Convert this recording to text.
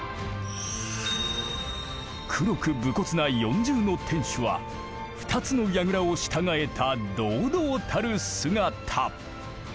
黒く武骨な四重の天守は２つの櫓を従えた堂々たる姿。